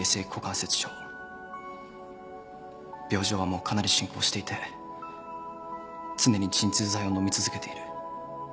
病状はもうかなり進行していて常に鎮痛剤を飲み続けている。